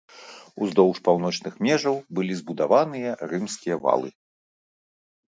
Уздоўж паўночных межаў былі збудаваныя рымскія валы.